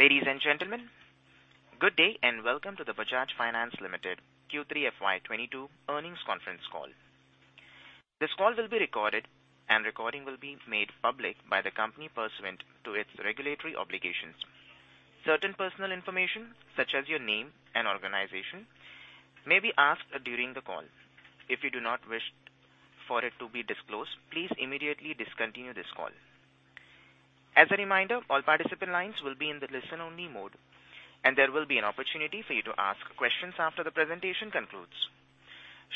Ladies and gentlemen, good day and welcome to the Bajaj Finance Limited Q3 FY 2022 earnings conference call. This call will be recorded and recording will be made public by the company pursuant to its regulatory obligations. Certain personal information such as your name and organization may be asked during the call. If you do not wish for it to be disclosed, please immediately discontinue this call. As a reminder, all participant lines will be in the listen-only mode, and there will be an opportunity for you to ask questions after the presentation concludes.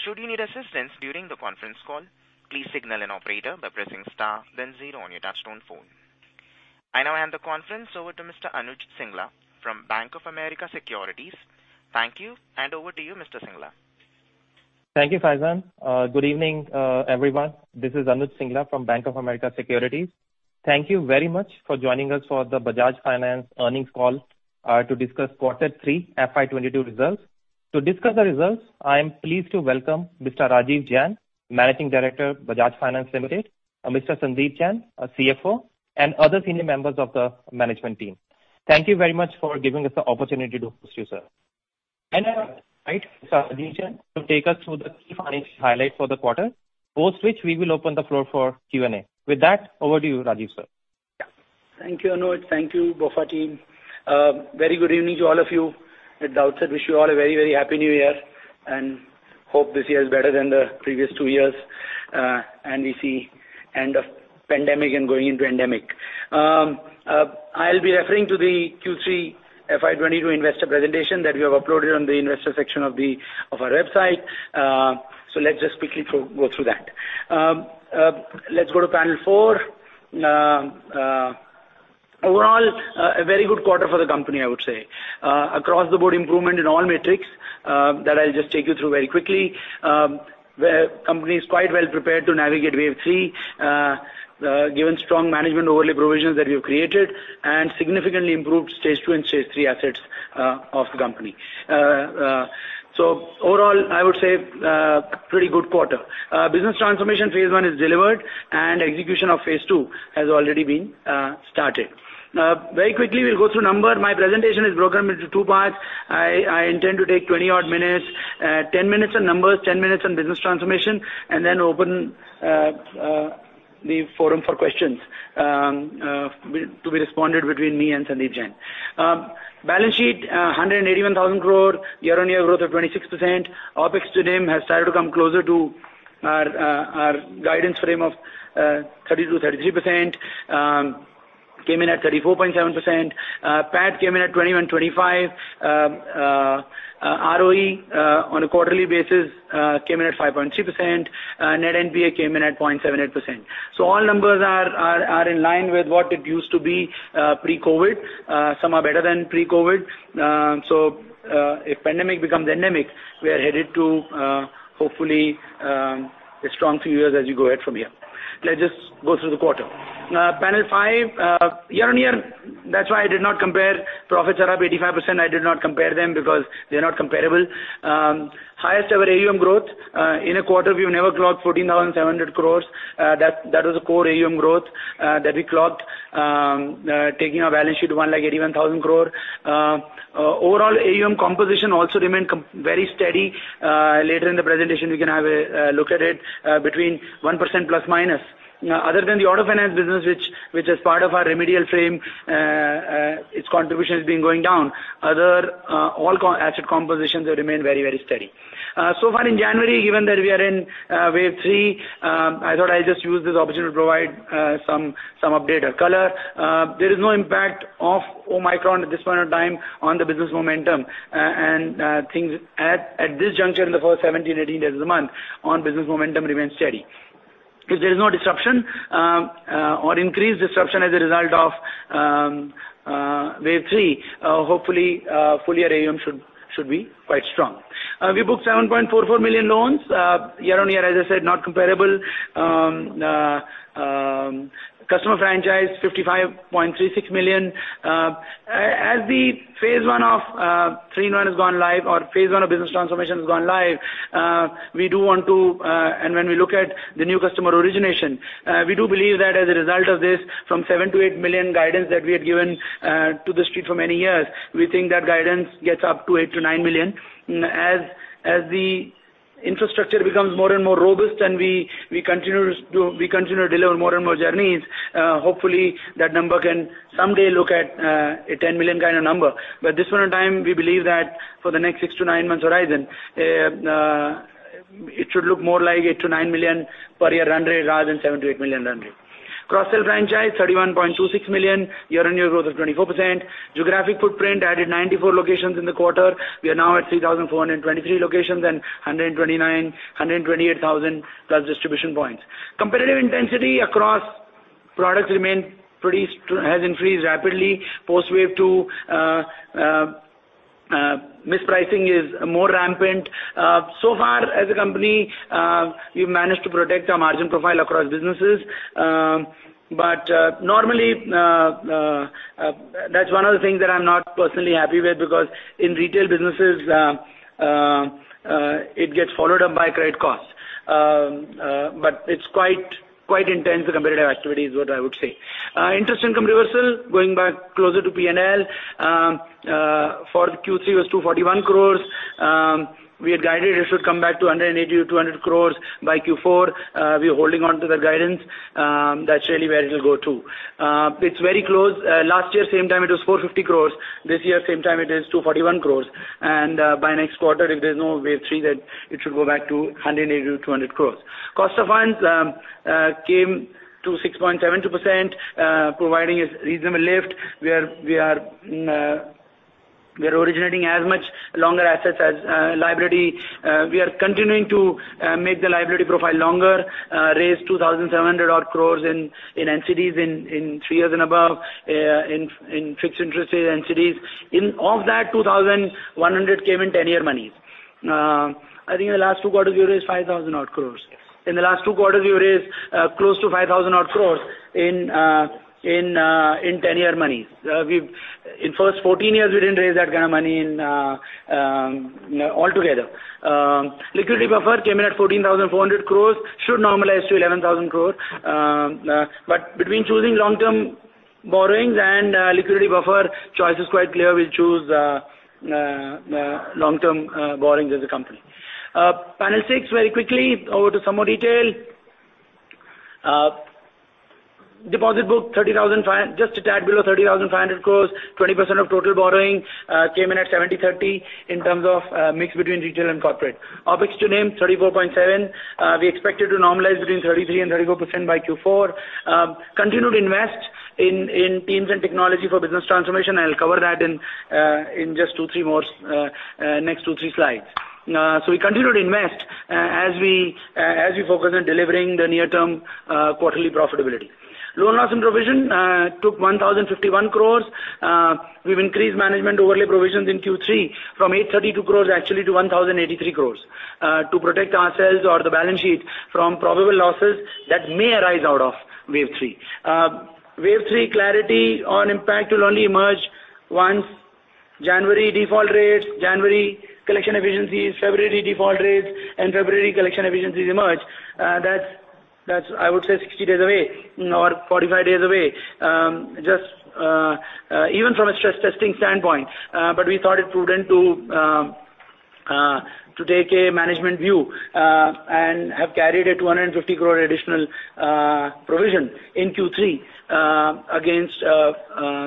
Should you need assistance during the conference call, please signal an operator by pressing star then zero on your touchtone phone. I now hand the conference over to Mr. Anuj Singla from Bank of America Securities. Thank you, and over to you, Mr. Singla. Thank you, Faizan. Good evening, everyone. This is Anuj Singla from Bank of America Securities. Thank you very much for joining us for the Bajaj Finance earnings call, to discuss quarter three FY 2022 results. To discuss the results, I am pleased to welcome Mr. Rajeev Jain, Managing Director, Bajaj Finance Limited, Mr. Sandeep Jain, our Chief Financial Officer, and other senior members of the management team. Thank you very much for giving us the opportunity to host you, sir. Now I invite Mr. Rajeev Jain to take us through the key financial highlight for the quarter, after which we will open the floor for Q&A. With that, over to you, Rajeev, sir. Yeah. Thank you, Anuj. Thank you, Bank of America team. Very good evening to all of you. At the outset, I wish you all a very, very happy new year and hope this year is better than the previous two years, and we see end of pandemic and going into endemic. I'll be referring to the Q3 FY 2022 investor presentation that we have uploaded on the investor section of our website. Let's just quickly go through that. Let's go to panel 4. Overall, a very good quarter for the company, I would say. Across-the-board improvement in all metrics that I'll just take you through very quickly. The company is quite well prepared to navigate wave three, given strong management overlay provisions that we have created and significantly improved stage two and stage three assets of the company. Overall, I would say pretty good quarter. Business transformation phase one is delivered and execution of phase II has already been started. Very quickly, we'll go through numbers. My presentation is broken into two parts. I intend to take 20-odd minutes. 10 minutes on numbers, 10 minutes on business transformation, and then open the forum for questions to be responded to between me and Sandeep Jain. The balance sheet is 181,000 crore, year-on-year growth of 26%. Opex to NTI has started to come closer to our guidance frame of 30%-33%. Came in at 34.7%. PAT came in at 2,125. ROE on a quarterly basis came in at 5.3%. Net NPA came in at 0.78%. All numbers are in line with what it used to be pre-COVID. Some are better than pre-COVID. If pandemic becomes endemic, we are headed to hopefully a strong few years as you go ahead from here. Let's just go through the quarter. Panel five. Year-on-year, that's why I did not compare. Profits are up 85%. I did not compare them because they're not comparable. Highest ever AUM growth in a quarter. We've never clocked 14,700 crore. That was the core AUM growth that we clocked, taking our balance sheet to 1,81,000 crore. Overall AUM composition also remained very steady. Later in the presentation, we can have a look at it between 1% ±. Now, other than the auto finance business which is part of our REMI, its contribution has been going down. All other core asset compositions have remained very steady. So far in January, given that we are in wave three, I thought I'll just use this opportunity to provide some updated color. There is no impact of Omicron at this point in time on the business momentum. Things at this juncture in the first 17 days, 18 days of the month on business momentum remain steady. If there is no disruption or increased disruption as a result of wave three, hopefully full year AUM should be quite strong. We booked 7.44 million loans. Year-on-year, as I said, not comparable. Customer franchise, 55.36 million. As phase I of 3.9 has gone live or phase I of business transformation has gone live, we do want to and when we look at the new customer origination, we do believe that as a result of this, from 7 million-8 million guidance that we had given to the street for many years, we think that guidance gets up to 8 million-9 million. As the infrastructure becomes more and more robust and we continue to deliver more and more journeys, hopefully, that number can someday look at a 10 million kind of number. At this point in time, we believe that for the next six to nine months horizon, it should look more like 8 million-9 million per year run rate rather than 7 million-8 million run rate. Cross-sell franchise, 31.26 million. Year-on-year growth of 24%. Geographic footprint added 94 locations in the quarter. We are now at 3,423 locations and 128,000+ distribution points. Competitive intensity across products has increased rapidly. Post wave two, mispricing is more rampant. So far as a company, we've managed to protect our margin profile across businesses. That's one of the things that I'm not personally happy with because in retail businesses, it gets followed up by credit costs. It's quite quite intense competitive activity is what I would say. Interest income reversal going back closer to P&L for Q3 was 241 crores. We had guided it should come back to 180 crores-200 crores by Q4. We're holding on to the guidance, that's really where it'll go to. It's very close. Last year same time it was 450 crores. This year same time it is 241 crores and by next quarter, if there's no wave three, then it should go back to 180 crores-200 crores. Cost of funds came to 6.72%, providing a reasonable lift. We are originating as much longer assets as liability. We are continuing to make the liability profile longer, raise 2,700 crores in NCDs in three years and above, in fixed interest rate NCDs. Out of that, 2,100 came in ten-year monies. I think in the last two quarters, we raised 5,000 crores. Yes. In the last two quarters, we raised close to 5,000-odd crore in 10-year monies. In first 14 years, we didn't raise that kind of money altogether. Liquidity buffer came in at 14,400 crore, should normalize to 11,000 crore. Between choosing long-term borrowings and liquidity buffer, choice is quite clear. We'll choose long-term borrowings as a company. Panel six, very quickly over to some more detail. Deposit book 30,005, just a tad below 30,500 crore. 20% of total borrowing came in at 70/30 in terms of mix between retail and corporate. OpEx to NTI, 34.7%. We expect it to normalize between 33% and 34% by Q4. Continue to invest in teams and technology for business transformation. I'll cover that in just two, three more next two, three slides. We continue to invest as we focus on delivering the near-term quarterly profitability. Loan loss and provision took 1,051 crores. We've increased management overlay provisions in Q3 from 832 crores actually to 1,083 crores to protect ourselves or the balance sheet from probable losses that may arise out of wave three. Wave three clarity on impact will only emerge once January default rates, January collection efficiencies, February default rates and February collection efficiencies emerge. That's, I would say, 60 days away or 45 days away, just even from a stress testing standpoint. We thought it prudent to take a management view and have carried 250 crore additional provision in Q3 against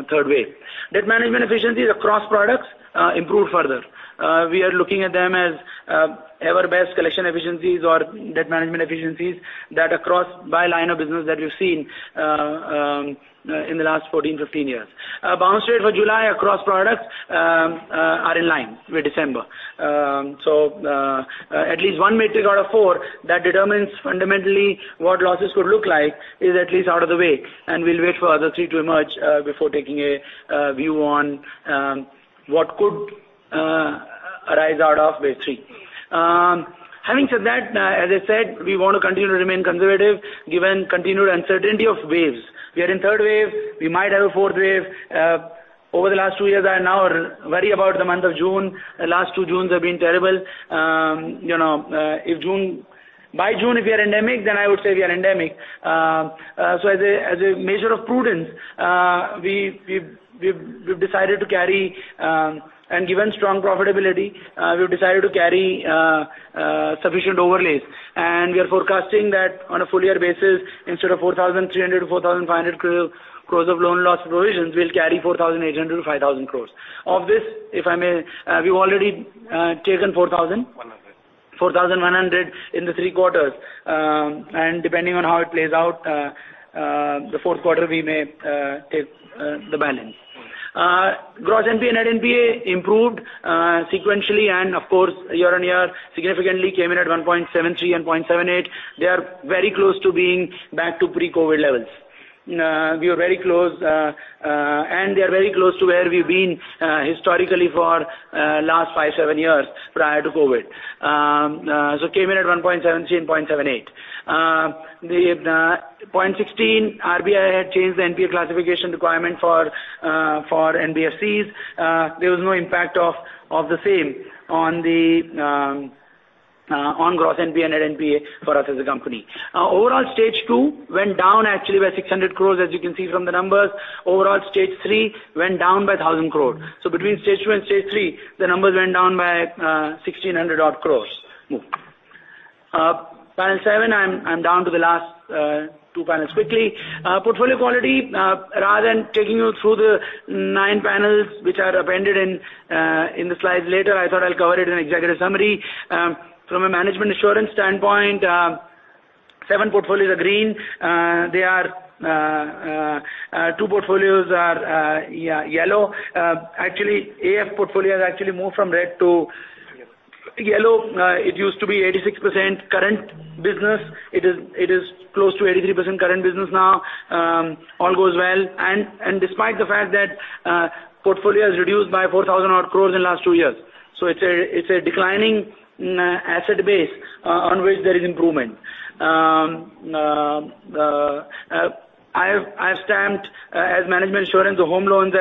third wave. Debt management efficiencies across products improved further. We are looking at them as ever best collection efficiencies or debt management efficiencies across business lines that we've seen in the last 14 years, 15 years. Bounce rate for July across products are in line with December. At least one metric out of four that determines fundamentally what losses could look like is at least out of the way, and we'll wait for other three to emerge before taking a view on what could arise out of wave three. Having said that, as I said, we want to continue to remain conservative given continued uncertainty of waves. We are in third wave. We might have a fourth wave. Over the last two years, I now worry about the month of June. The last two Junes have been terrible. You know, by June, if we are endemic, then I would say we are endemic. As a measure of prudence and given strong profitability, we've decided to carry sufficient overlays, and we are forecasting that on a full year basis instead of 4,300 crore-4,500 crore of loan loss provisions, we'll carry 4,800 crore-5,000 crore. Of this, if I may, we've already taken 4,000 crore- INR 100 crore. 4,100 crore in the three quarters. Depending on how it plays out, the fourth quarter we may take the balance. Mm-hmm. Gross NPA, net NPA improved sequentially and of course year-on-year significantly came in at 1.73% and 0.78%. They are very close to being back to pre-COVID levels. We are very close, and they are very close to where we've been historically for last five, seven years prior to COVID. Came in at 1.73% and 0.78%. The point is, the RBI had changed the NPA classification requirement for NBFCs. There was no impact of the same on gross NPA, net NPA for us as a company. Overall stage two went down actually by 600 crore as you can see from the numbers. Overall stage three went down by 1,000 crore. Between stage two and stage three, the numbers went down by 1,600-odd crores. Mm-hmm. Panel seven. I'm down to the last two panels quickly. Portfolio quality, rather than taking you through the nine panels which are appended in the slides later, I thought I'll cover it in executive summary. From a management assurance standpoint, seven portfolios are green. Two portfolios are yellow. Actually, the AF portfolio has moved from red to- Yellow. Yeah. It used to be 86% current business. It is close to 83% current business now. All goes well and despite the fact that portfolio has reduced by 4,000-odd crore in the last two years. It's a declining asset base on which there is improvement. I stamped management assurance of home loans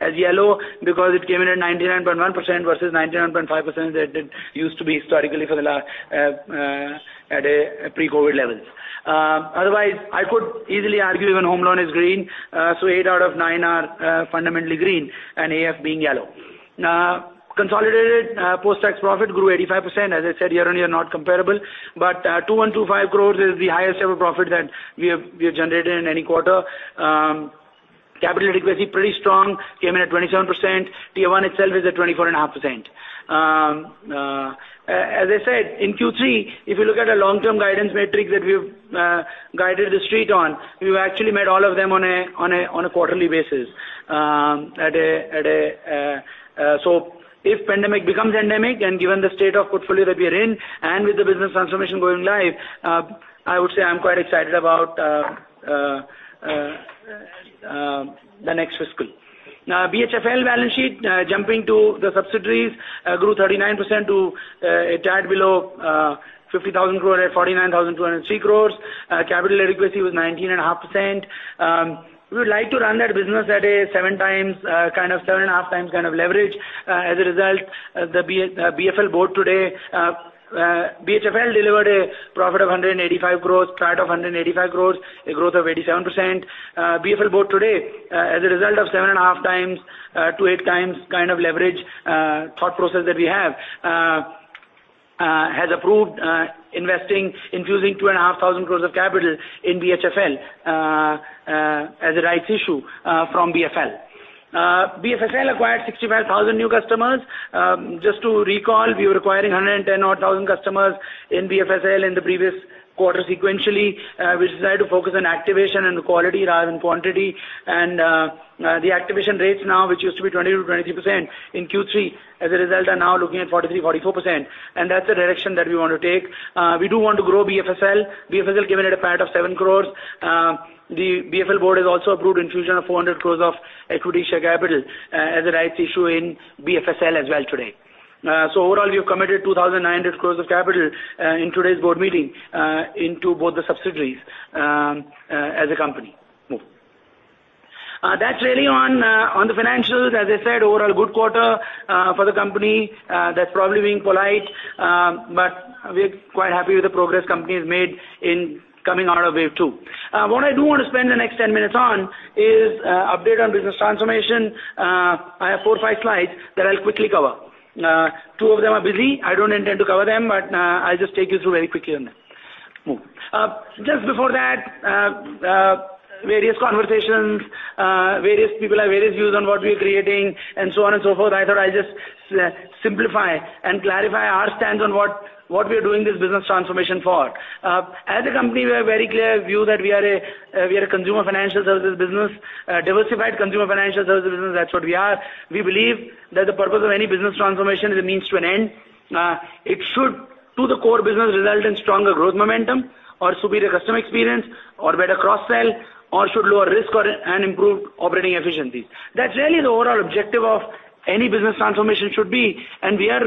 as yellow because it came in at 99.1% versus 91.5% that it used to be historically at pre-COVID levels. Otherwise, I could easily argue even home loan is green. Eight out of nine are fundamentally green and AF being yellow. Now, consolidated post-tax profit grew 85%. As I said, year-on-year not comparable, but 212.5 crore is the highest ever profit that we have generated in any quarter. Capital adequacy, pretty strong, came in at 27%. Tier one itself is at 24.5%. As I said, in Q3, if you look at a long-term guidance metric that we've guided the street on, we've actually made all of them on a quarterly basis. If pandemic becomes endemic and given the state of portfolio that we are in and with the business transformation going live, I would say I'm quite excited about the next fiscal. Now, BHFL balance sheet, jumping to the subsidiaries, grew 39% to a tad below 50,000 crore, 49,203 crore. Capital adequacy was 19.5%. We would like to run that business at 7x kind of 7.5x kind of leverage. As a result, the BFL board today, BHFL delivered a profit of 185 crore, PAT of 185 crore, a growth of 87%. BFL board today, as a result of 7.5x to 8x kind of leverage, thought process that we have, has approved infusing 2,500 crore of capital in BHFL, as a rights issue, from BFL. BFSL acquired 65,000 new customers. Just to recall, we were acquiring 110,000 odd customers in BFSL in the previous quarter sequentially. We decided to focus on activation and quality rather than quantity. The activation rates now, which used to be 20%-23% in Q3 as a result, are now looking at 43%-44%. That's the direction that we want to take. We do want to grow BFSL. BFSL given it a PAT of 7 crore. The BFL board has also approved infusion of 400 crore of equity share capital as a rights issue in BFSL as well today. Overall, we've committed 2,900 crore of capital in today's board meeting into both the subsidiaries as a company move. That's really on the financials. As I said, overall good quarter for the company. That's probably being polite, but we're quite happy with the progress the company has made in coming out of wave two. What I do want to spend the next 10 minutes on is update on business transformation. I have four slides or five slides that I'll quickly cover. Two of them are busy. I don't intend to cover them, but I'll just take you through very quickly on that. Just before that, various conversations, various people have various views on what we're creating and so on and so forth. I thought I'd just simplify and clarify our stance on what we are doing this business transformation for. As a company, we have a very clear view that we are a consumer financial services business, diversified consumer financial services business. That's what we are. We believe that the purpose of any business transformation is a means to an end. It should, to the core business, result in stronger growth momentum or superior customer experience or better cross-sell, or lower risk and improve operating efficiencies. That's really the overall objective of any business transformation should be, and we are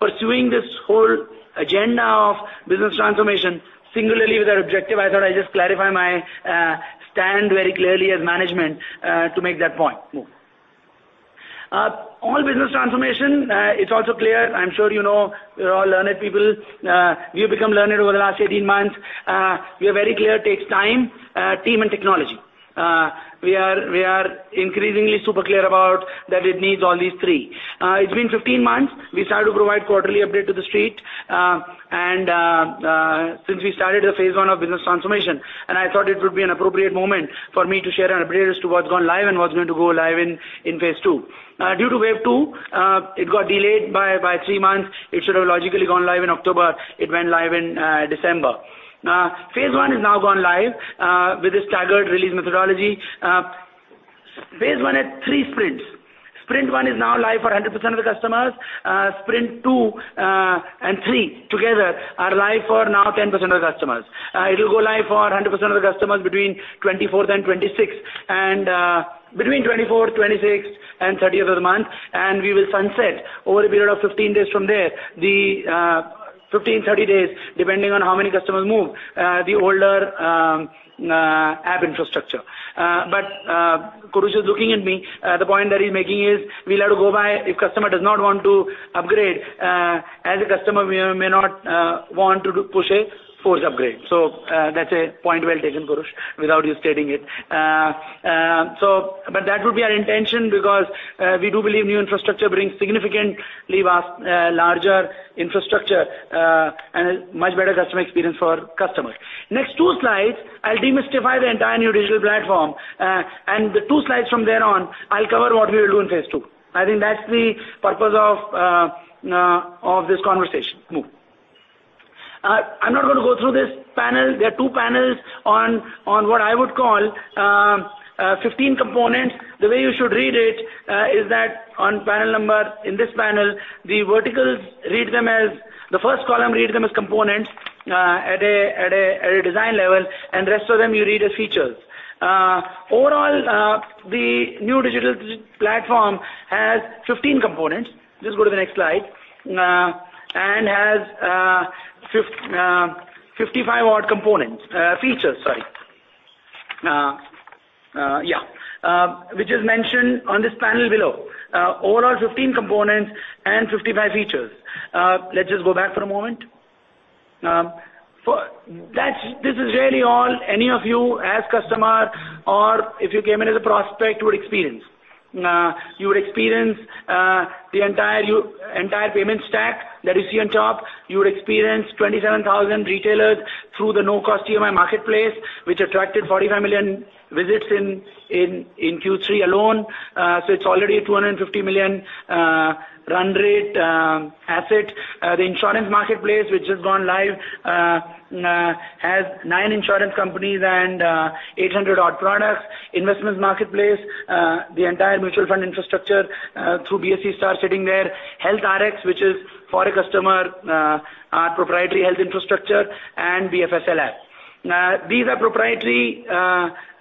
pursuing this whole agenda of business transformation singularly with our objective. I thought I'd just clarify my stand very clearly as management to make that point. Move. All business transformation, it's also clear, I'm sure you know, you're all learned people. We have become learned over the last 18 months. We are very clear it takes time, team and technology. We are increasingly super clear about that it needs all these three. It's been 15 months. We started to provide quarterly update to the street, and since we started the phase I of business transformation, I thought it would be an appropriate moment for me to share an update as to what's gone live and what's going to go live in phase two. Due to wave two, it got delayed by three months. It should have logically gone live in October. It went live in December. Phase one has now gone live with a staggered release methodology. Phase I had three sprints. Sprint one is now live for 100% of the customers. Sprint two and sprint three together are live for now 10% of the customers. It will go live for 100% of the customers between 24th and 30th of the month. We will sunset over a period of 15 days-30 days from there, depending on how many customers move from the older app infrastructure. Kurush is looking at me. The point that he's making is we'll have to go by if the customer does not want to upgrade, as a customer, we may not want to push a forced upgrade. That's a point well taken, Kurush, without you stating it. That would be our intention because we do believe new infrastructure brings significant leverage, larger infrastructure, and much better customer experience for customers. Next two slides, I'll demystify the entire new digital platform. The two slides from there on, I'll cover what we will do in phase two. I think that's the purpose of this conversation. Move. I'm not gonna go through this panel. There are two panels on what I would call 15 components. The way you should read it is that in this panel, the verticals read them as the first column, read them as components at a design level, and rest of them you read as features. Overall, the new digital platform has 15 components. Just go to the next slide. Has 55-odd components, features, sorry. Yeah, which is mentioned on this panel below. Overall 15 components and 55 features. Let's just go back for a moment. This is really all any of you as customer or if you came in as a prospect would experience. You would experience the entire payment stack that is here on top. You would experience 27,000 retailers through the no-cost EMI marketplace, which attracted 45 million visits in Q3 alone. It's already 250 million run rate asset. The insurance marketplace, which has gone live, has nine insurance companies and 800-odd products. Investments marketplace, the entire mutual fund infrastructure through BSE StAR sitting there. Health Rx, which is for a customer, our proprietary health infrastructure and BFSL app. These are proprietary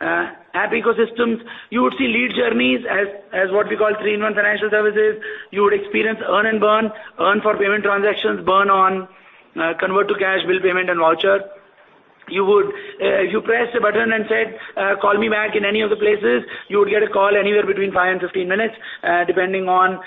app ecosystems. You would see lead journeys as what we call three-in-one financial services. You would experience earn and burn, earn for payment transactions, burn on convert to cash, bill payment and voucher. You would press a button and say, "Call me back," in any of the places, you would get a call anywhere between five minutes and 15 minutes, depending on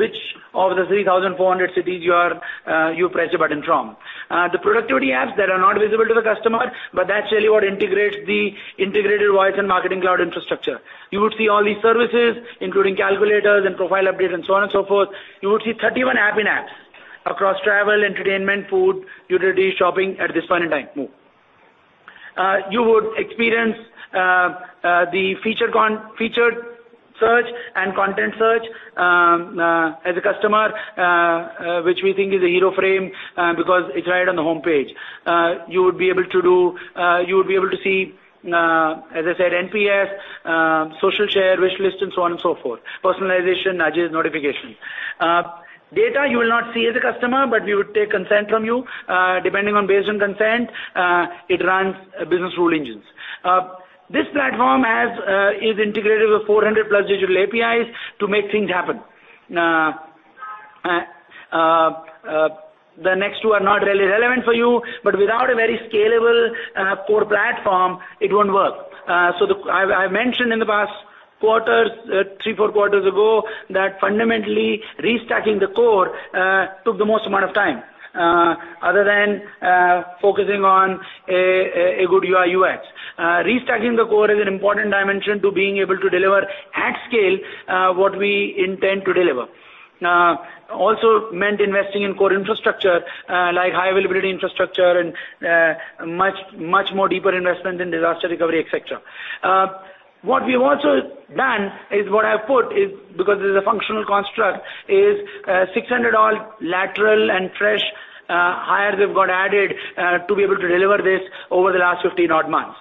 which of the 3,400 cities you are, you pressed a button from. The productivity apps that are not visible to the customer, but that's really what integrates the integrated voice and marketing cloud infrastructure. You would see all these services, including calculators and profile updates and so on and so forth. You would see 31 apps across travel, entertainment, food, utility, shopping at this point in time. You would experience the feature search and content search as a customer, which we think is a hero frame because it's right on the homepage. You would be able to see, as I said, NPS, social share, wishlist and so on and so forth. Personalization, nudges, notifications. Data you will not see as a customer, but we would take consent from you. Depending on consent, it runs business rule engines. This platform is integrated with 400+ digital APIs to make things happen. The next two are not really relevant for you, but without a very scalable core platform, it won't work. I've mentioned in the past quarters three to four quarters ago that fundamentally restacking the core took the most amount of time other than focusing on a good UI UX. Restacking the core is an important dimension to being able to deliver at scale what we intend to deliver. It also meant investing in core infrastructure like high availability infrastructure and much deeper investment in disaster recovery, et cetera. What we've also done is, because this is a functional construct, 600 odd lateral and fresh hires we've got added to be able to deliver this over the last 15 odd months.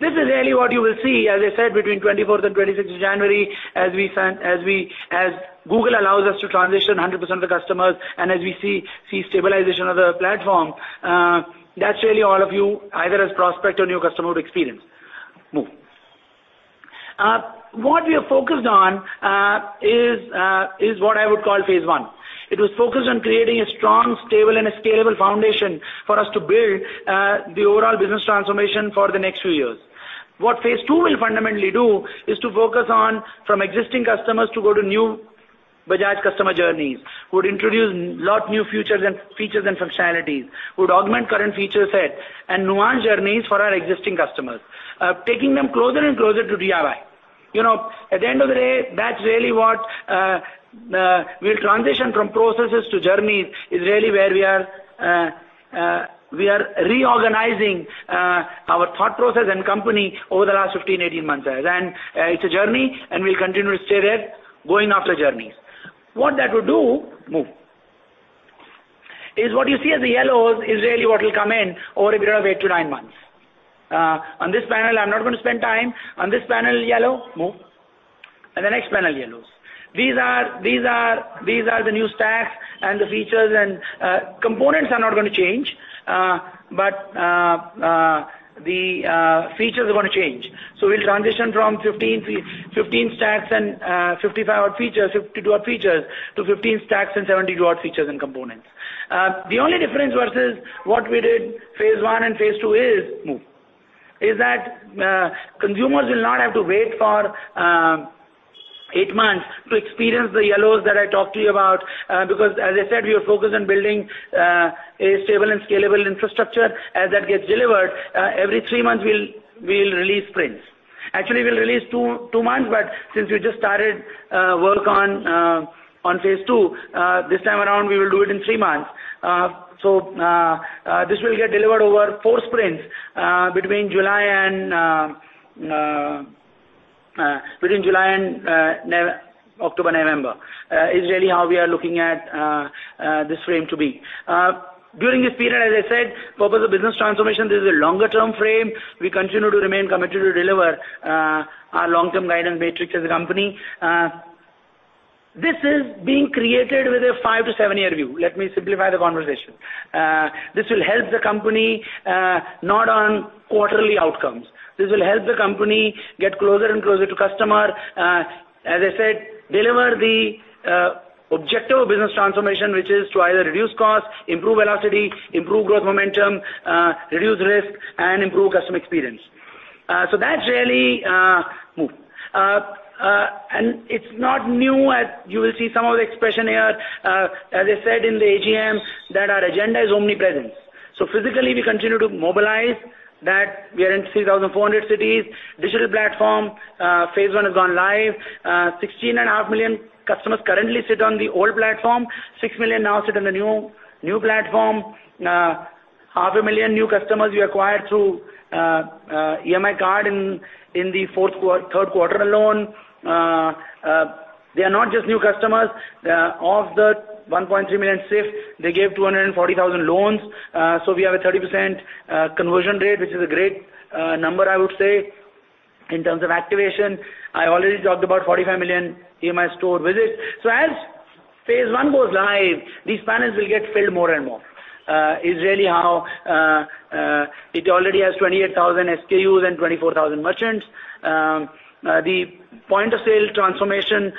This is really what you will see, as I said, between January 24th and January 26th as Google allows us to transition 100% of the customers and as we see stabilization of the platform. That's really all of you, either as prospective or new customer would experience. What we have focused on is what I would call phase one. It was focused on creating a strong, stable and a scalable foundation for us to build the overall business transformation for the next few years. What phase two will fundamentally do is to focus on from existing customers to go to new Bajaj customer journeys. Would introduce lot new features and functionalities. Would augment current feature set and nuanced journeys for our existing customers, taking them closer and closer to DRI. You know, at the end of the day, that's really what we'll transition from processes to journeys is really where we are, we are reorganizing our thought process and company over the last 15 months, 18 months. It's a journey and we'll continue to stay there going after journeys. What that would do is what you see as the yellows is really what will come in over a period of eight to nine months. On this panel, I'm not gonna spend time. On this panel yellow. Move. The next panel yellows. These are the new stacks and the features and components are not gonna change. But the features are gonna change. We'll transition from 15 stacks and 55-odd features, 52-odd features to 15 stacks and 72-odd features and components. The only difference versus what we did phase I and phase II is that consumers will not have to wait for eight months to experience the yellows that I talked to you about. Because as I said, we are focused on building a stable and scalable infrastructure. As that gets delivered, every three months we'll release sprints. Actually, we'll release every two months, but since we just started work on phase II, this time around, we will do it in three months. This will get delivered over four sprints between July and October, November, is really how we are looking at this frame to be. During this period, as I said, purpose of business transformation, this is a longer-term frame. We continue to remain committed to deliver our long-term guidance metrics as a company. This is being created with a five-year to seven-year view. Let me simplify the conversation. This will help the company not on quarterly outcomes. This will help the company get closer and closer to customer. As I said, deliver the objective of business transformation, which is to either reduce cost, improve velocity, improve growth momentum, reduce risk and improve customer experience. That's really. It's not new, as you will see some of the expression here, as I said in the AGM, that our agenda is omnipresence. Physically, we continue to mobilize that we are in 3,400 cities. Digital platform, phase one has gone live. 16.5 million customers currently sit on the old platform. 6 million now sit on the new platform. 500,000 new customers we acquired through EMI card in the third quarter alone. They are not just new customers. Of the 1.3 million safe, they gave 240,000 loans. We have a 30% conversion rate, which is a great number, I would say. In terms of activation, I already talked about 45 million EMI store visits. As phase one goes live, these panels will get filled more and more. This is really how it already has 28,000 SKUs and 24,000 merchants. The point-of-sale transformation,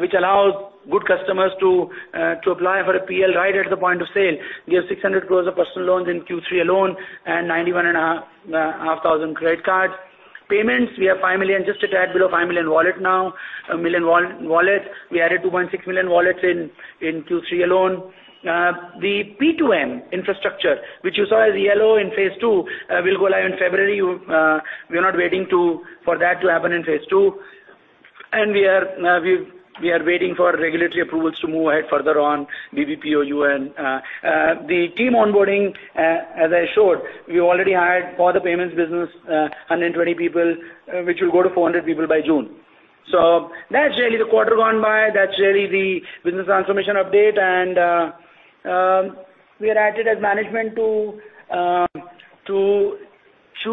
which allows good customers to apply for a PL right at the point of sale. We have 600 crores of personal loans in Q3 alone and 91,500 credit cards. Payments, we have just a tad below 5 million wallets now. We added 2.6 million wallets in Q3 alone. The P2M infrastructure, which you saw as yellow in phase II, will go live in February. We are not waiting for that to happen in phase II. We are waiting for regulatory approvals to move ahead further on BBPOU. The team onboarding, as I showed, we already hired for the payments business, 120 people, which will go to 400 people by June. That's really the quarter gone by. That's really the business transformation update. We are at it as management to chew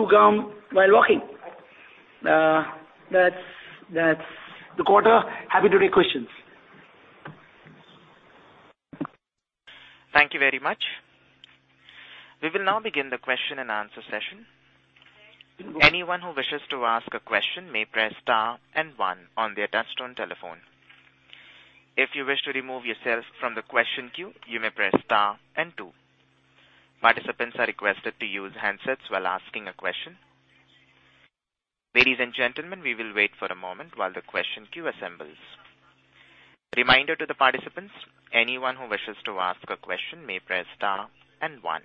gum while walking. That's the quarter. Happy to take questions. Thank you very much. We will now begin the question-and-answer session. Anyone who wishes to ask a question may press star and one on their touchtone telephone. If you wish to remove yourself from the question queue, you may press star and two. Participants are requested to use handsets while asking a question. Ladies and gentlemen, we will wait for a moment while the question queue assembles. Reminder to the participants, anyone who wishes to ask a question may press star and one.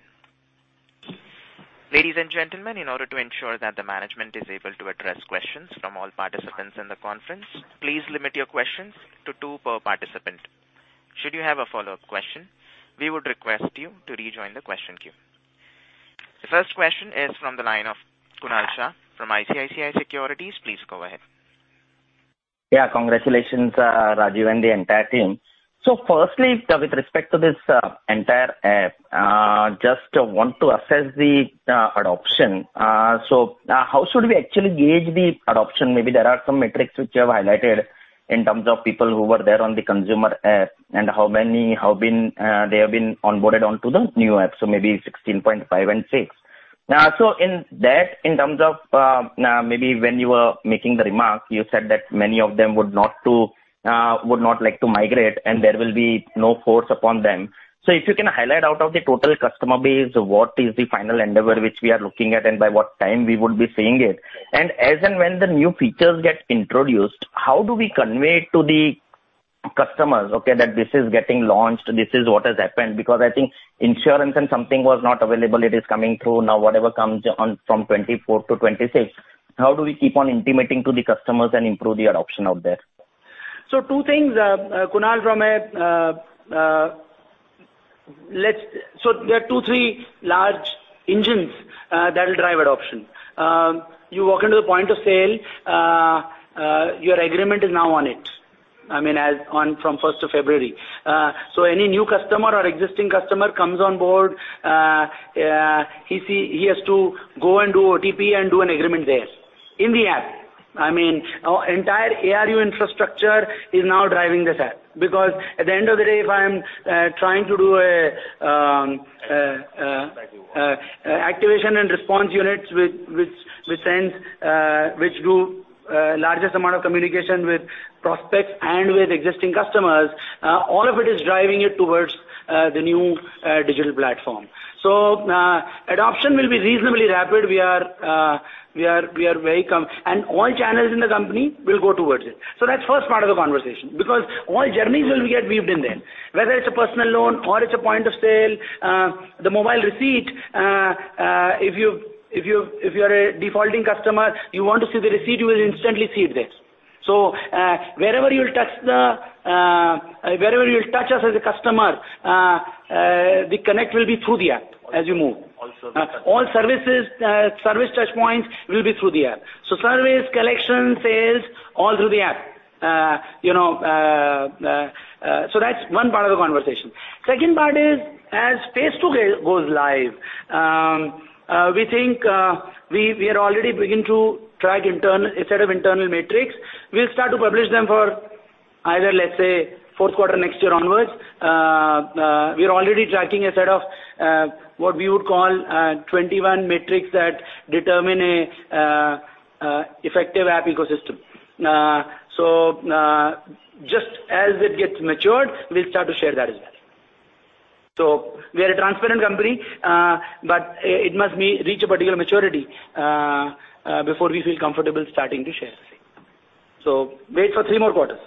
Ladies and gentlemen, in order to ensure that the management is able to address questions from all participants in the conference, please limit your questions to two per participant. Should you have a follow-up question, we would request you to rejoin the question queue. The first question is from the line of Kunal Shah from ICICI Securities. Please go ahead. Yeah, congratulations, Rajiv and the entire team. Firstly, with respect to this entire app, I just want to assess the adoption. How should we actually gauge the adoption? Maybe there are some metrics which you have highlighted in terms of people who were there on the consumer app and how many have been onboarded onto the new app, so maybe 16.5 and 6. In that, in terms of, maybe when you were making the remark, you said that many of them would not like to migrate, and there will be no force upon them. If you can highlight out of the total customer base, what is the final endeavor which we are looking at and by what time we would be seeing it? As and when the new features get introduced, how do we convey to the customers, okay, that this is getting launched, this is what has happened? Because I think insurance and something was not available, it is coming through. Now, whatever comes on from January 24th-January 26th, how do we keep on intimating to the customers and improve the adoption out there? Two things, Kunal, from a. There are two, three large engines that will drive adoption. You walk into the point of sale, your agreement is now on it. I mean, as on from first of February. Any new customer or existing customer comes on board, he has to go and do OTP and do an agreement there in the app. I mean, our entire ARU infrastructure is now driving this app because at the end of the day, if I am trying to do a activation and response units which do largest amount of communication with prospects and with existing customers, all of it is driving it towards the new digital platform. Adoption will be reasonably rapid. We are very confident and all channels in the company will go towards it. That's first part of the conversation because all journeys will get weaved in there, whether it's a personal loan or it's a point of sale. The mobile receipt, if you are a defaulting customer, you want to see the receipt, you will instantly see it there. Wherever you will touch us as a customer, the connect will be through the app as you move. Also the touch- All service touchpoints will be through the app. Service, collection, sales, all through the app. You know, that's one part of the conversation. Second part is as phase two goes live, we think we are already beginning to track a set of internal metrics. We'll start to publish them for either, let's say, fourth quarter next year onwards. We are already tracking a set of what we would call 21 metrics that determine a effective app ecosystem. Just as it gets matured, we'll start to share that as well. We are a transparent company, but it must reach a particular maturity before we feel comfortable starting to share. Wait for three more quarters.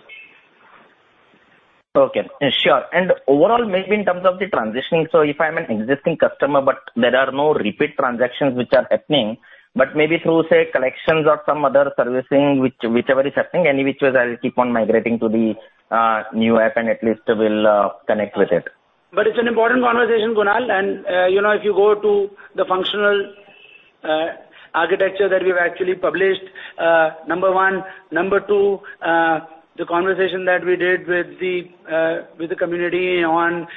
Okay. Sure. Overall, maybe in terms of the transitioning, so if I'm an existing customer, but there are no repeat transactions which are happening, but maybe through, say, collections or some other servicing which, whichever is happening, any which way I will keep on migrating to the new app and at least will connect with it. It's an important conversation, Kunal. You know, if you go to the functional architecture that we've actually published, number one. Number two, the conversation that we did with the community on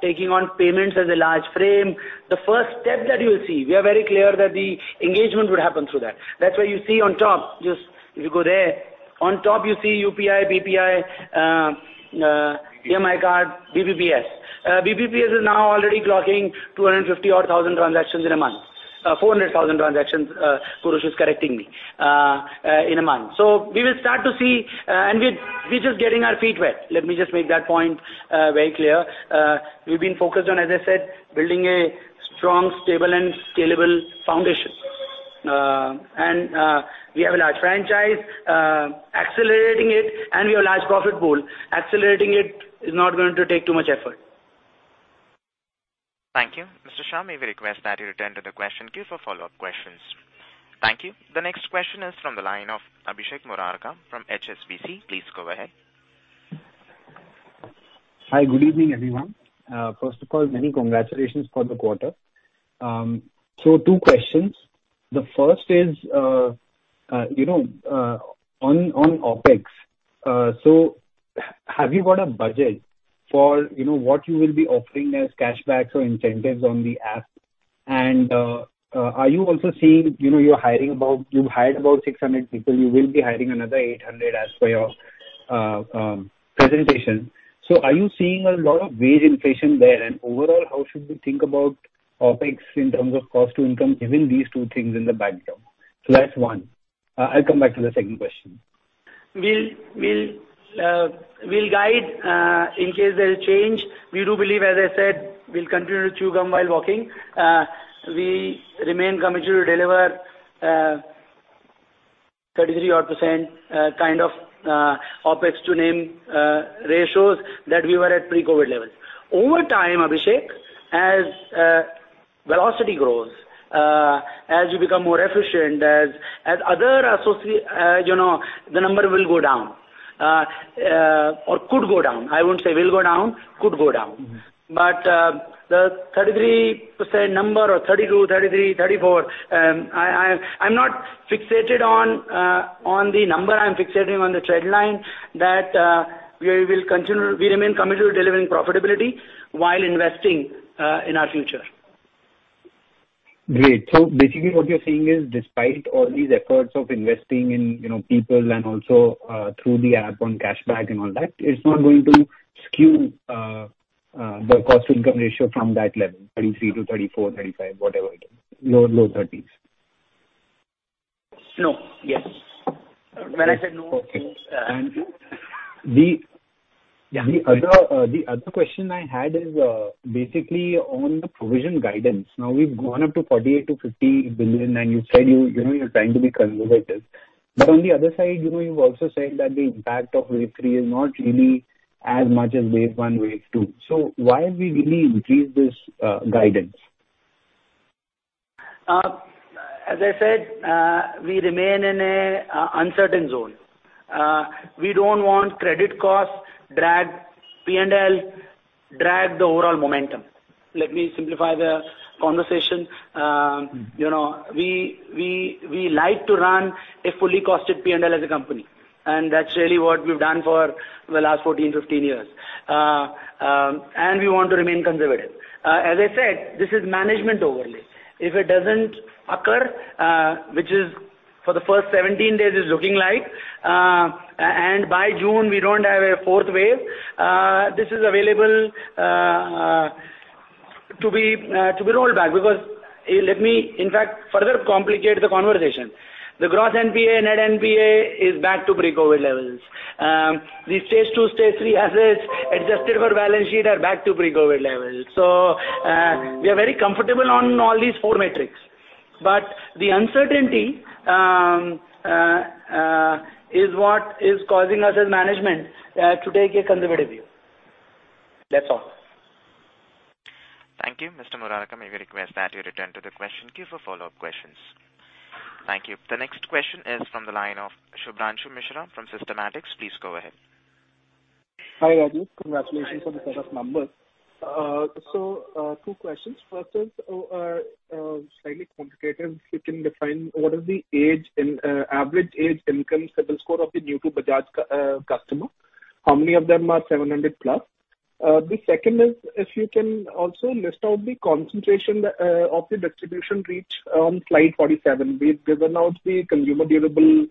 taking on payments as a large frame. The first step that you will see, we are very clear that the engagement would happen through that. That's why you see on top, just if you go there, on top you see UPI, PPI, EMI card, BBPS. BBPS is now already clocking 250,000 transactions in a month. 400,000 transactions, Kurush is correcting me, in a month. We will start to see, and we're just getting our feet wet. Let me just make that point very clear. We've been focused on, as I said, building a strong, stable and scalable foundation. We have a large franchise, accelerating it, and we have a large profit pool. Accelerating it is not going to take too much effort. Thank you. Mr. Shah, may we request that you return to the question queue for follow-up questions. Thank you. The next question is from the line of Abhishek Murarka from HSBC. Please go ahead. Hi. Good evening, everyone. First of all, many congratulations for the quarter. Two questions. The first is, you know, on OpEx. Have you got a budget for, you know, what you will be offering as cash backs or incentives on the app? And, are you also seeing, you know, you've hired about 600 people, you will be hiring another 800 people as per your presentation. Are you seeing a lot of wage inflation there? And overall, how should we think about OpEx in terms of cost to income, given these two things in the backdrop? That's one. I'll come back to the second question. We'll guide in case there's a change. We do believe, as I said, we'll continue to chew gum while walking. We remain committed to deliver 33 odd% kind of OpEx to NTI ratios that we were at pre-COVID levels. Over time, Abhishek, as velocity grows, as you become more efficient, you know, the number will go down or could go down. I wouldn't say will go down, could go down. Mm-hmm. the 33% number or 32%, 33%, 34%, I'm not fixated on the number, I'm fixating on the trend line that we will continue. We remain committed to delivering profitability while investing in our future. Great. Basically what you're saying is despite all these efforts of investing in, you know, people and also through the app on cashback and all that, it's not going to skew the cost to income ratio from that level, 33%-35%, whatever it is, low 30s. Yes. When I said no. Okay. -it means- And the- Yeah. The other question I had is, basically on the provision guidance. Now, we've gone up to 48 billion-50 billion, and you said you know, you're trying to be conservative. On the other side, you know, you've also said that the impact of wave three is not really as much as wave one, wave two. Why have we really increased this guidance? As I said, we remain in an uncertain zone. We don't want credit costs to drag P&L, to drag the overall momentum. Let me simplify the conversation. You know, we like to run a fully costed P&L as a company, and that's really what we've done for the last 14 years, 15 years. We want to remain conservative. As I said, this is management overlay. If it doesn't occur, which is for the first 17 days it's looking like, and by June, we don't have a fourth wave, this is available to be rolled back because. Let me in fact further complicate the conversation. The gross NPA, net NPA is back to pre-COVID levels. The Stage 2, Stage 3 assets adjusted for balance sheet are back to pre-COVID levels. We are very comfortable on all these four metrics. The uncertainty is what is causing us as management to take a conservative view. That's all. Thank you. Mr. Murarka, may we request that you return to the question queue for follow-up questions. Thank you. The next question is from the line of Shubhranshu Mishra from Systematix. Please go ahead. Hi, Rajeev. Congratulations on the set of numbers. So, two questions. First is slightly quantitative. If you can define what is the average age, income, CIBIL score of the new-to-Bajaj customer, how many of them are 700+? The second is if you can also list out the concentration of the distribution reach on Slide 47. We've given out the consumer durable,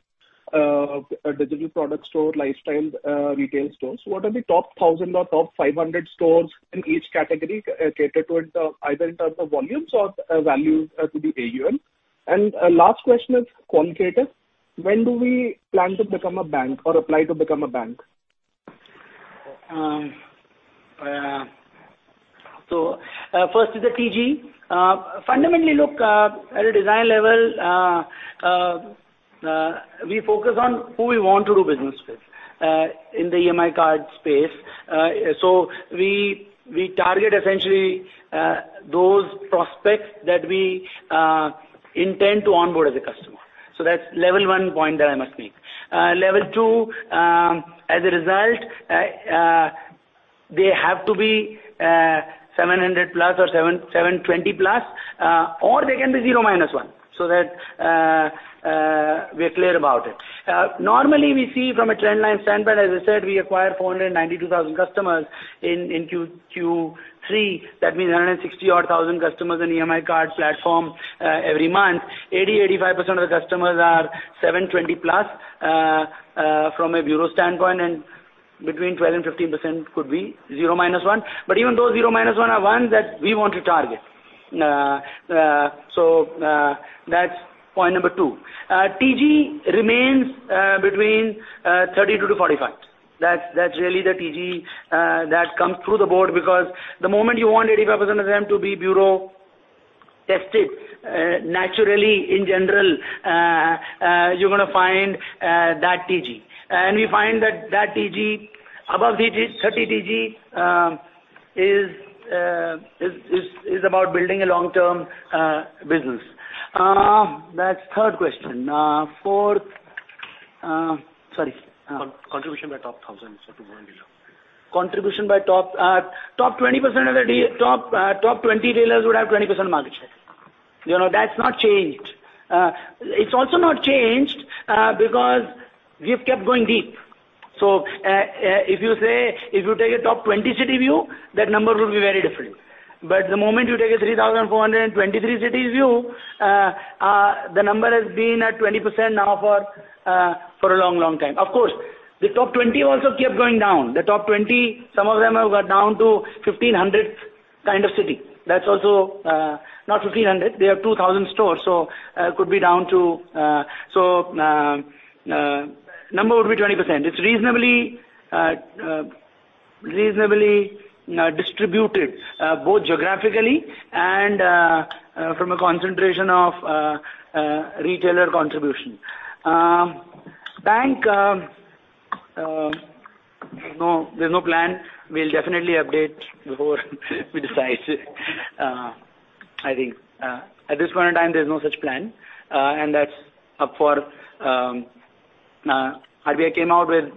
digital product store, lifestyle, retail stores. What are the top 1,000 stores or top 500 stores in each category catered to it either in terms of volumes or values to the AUM? A last question is quantitative. When do we plan to become a bank or apply to become a bank? First is the TG. Fundamentally, look, at a design level, we focus on who we want to do business with in the EMI card space. We target essentially those prospects that we intend to onboard as a customer. That's level one point that I must make. Level two, as a result, they have to be 700+ score or 720+ score, or they can be 0-1, so that we're clear about it. Normally, we see from a Trendline standpoint, as I said, we acquired 492,000 customers in Q3. That means 160,000 or so customers in EMI card platform every month. 85% of the customers are 720+ score, from a bureau standpoint, and between 12%-15% could be 0-1. Even those 0-1 are ones that we want to target. That's point number two. TG remains between 32%-45%. That's really the TG that comes through the board because the moment you want 85% of them to be bureau tested, naturally, in general, you're gonna find that TG. We find that that TG, above thirty TG, is about building a long-term business. That's third question. Fourth... Sorry. Contribution by top thousand sort of. Top 20 dealers would have 20% market share. You know, that's not changed. It's also not changed because we've kept going deep. If you say, if you take a top 20 city view, that number will be very different. But the moment you take a 3,424 cities view, the number has been at 20% now for a long, long time. Of course, the top 20 dealers also kept going down. The top 20 dealers, some of them have got down to 1,500 kind of city. That's also not 1,500. They have 2,000 stores, so could be down to, so number would be 20%. It's reasonably distributed both geographically and from a concentration of retailer contribution. Bank, there's no plan. We'll definitely update before we decide, I think. At this point in time, there's no such plan, and that's up for RBI came out with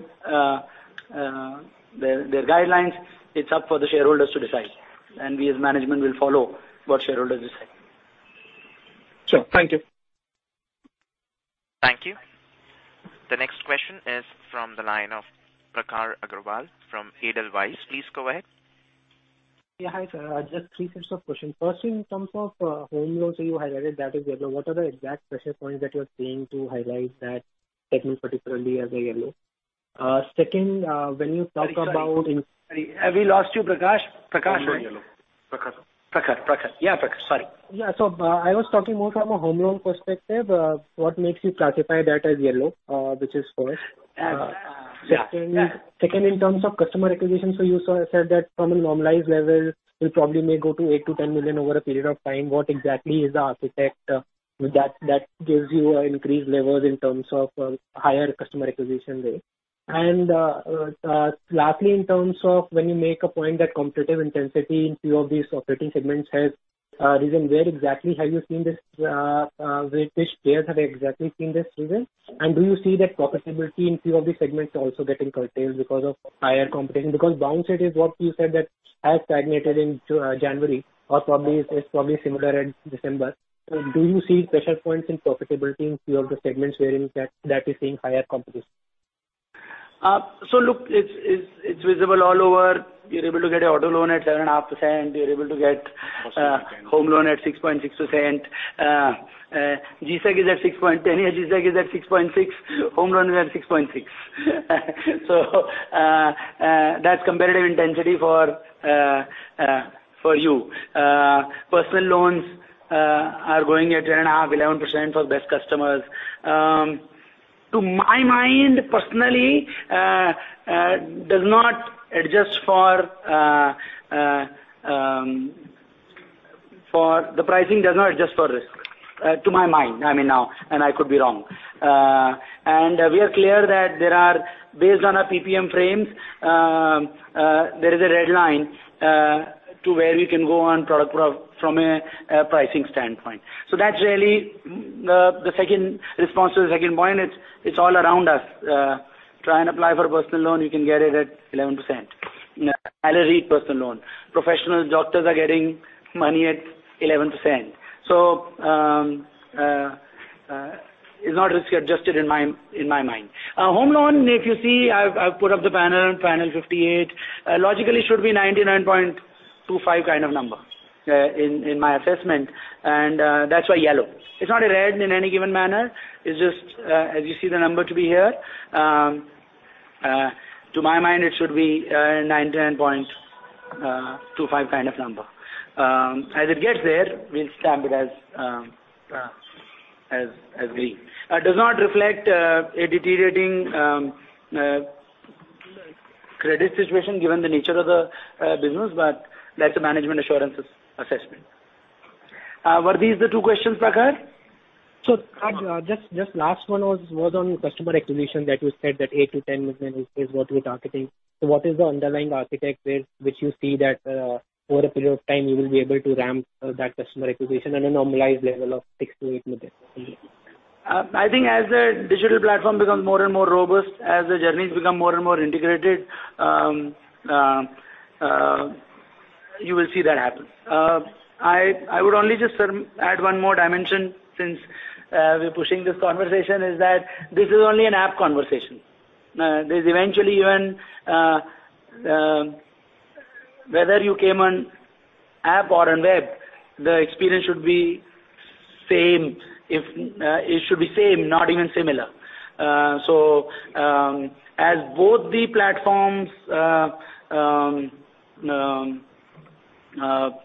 their guidelines. It's up for the shareholders to decide, and we as management will follow what shareholders decide. Sure. Thank you. Thank you. The next question is from the line of Prakhar Agarwal from Edelweiss. Please go ahead. Yeah, hi, sir. Just three sets of questions. First, in terms of home loans that you highlighted that is yellow, what are the exact pressure points that you are seeing to highlight that segment particularly as a yellow? Second, when you talk about- Sorry. Have we lost you, Prakhar? Prakhar, right? Prakash. Prakhar. Yeah, Prakhar. Sorry. Yeah. I was talking more from a home loan perspective. What makes you classify that as yellow? Which is first. Yeah. Yeah. Second, in terms of customer acquisition, you sort of said that from a normalized level, you probably may go to 8 million-10 million over a period of time. What exactly is the architecture that gives you increased levels in terms of higher customer acquisition rate? Lastly, in terms of when you make a point that competitive intensity in few of these operating segments has risen, where exactly have you seen this, which areas have exactly seen this rise? Do you see that profitability in few of these segments also getting curtailed because of higher competition? Because downside is what you said that has stagnated in January or probably is probably similar in December. Do you see pressure points in profitability in few of the segments wherein that is seeing higher competition? Look, it's visible all over. You're able to get an auto loan at 7.5%. You're able to get- Personal loan. Home loan at 6.6%. GSEC is at 6.6%. Anyway, GSEC is at 6.6%. Home loan is at 6.6%. That's competitive intensity for you. Personal loans are going at 10.5%-11% for best customers. To my mind, personally, the pricing does not adjust for risk, to my mind. I mean, now, and I could be wrong. We are clear that there is, based on our PPM frames, a red line to where we can go from a pricing standpoint. That's really the second response to the second point. It's all around us. Try and apply for a personal loan, you can get it at 11%. Salary personal loan. Professional doctors are getting money at 11%. It's not risk-adjusted in my mind. Home loan, if you see, I've put up the banner 58. Logically should be 99.25 kind of number, in my assessment, and that's why yellow. It's not a red in any given manner. It's just as you see the number to be here. To my mind, it should be 99.25 kind of number. As it gets there, we'll stamp it as green. It does not reflect a deteriorating credit situation given the nature of the business, but that's the management assurance assessment. Were these the two questions, Prakhar? Just last one was on customer acquisition, that you said that 8 million-10 million is what we're targeting. What is the underlying architecture, which you see that over a period of time you will be able to ramp that customer acquisition on a normalized level of 6 million-8 million? I think as the digital platform becomes more and more robust, as the journeys become more and more integrated, you will see that happen. I would only just add one more dimension since we're pushing this conversation, is that this is only an app conversation. There's eventually even whether you came on app or on web, the experience should be same. It should be same, not even similar. As both the platforms are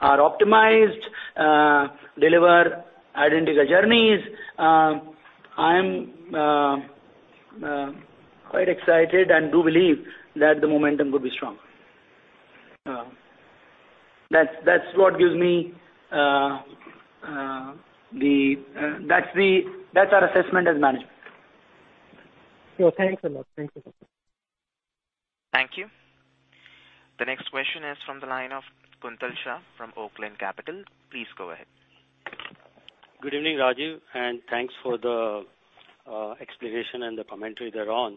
optimized deliver identical journeys, I'm quite excited and do believe that the momentum will be strong. That's our assessment as management. Sure. Thanks a lot. Thank you. Thank you. The next question is from the line of Kuntal Shah from Oaklane Capital. Please go ahead. Good evening, Rajeev, and thanks for the explanation and the commentary thereon.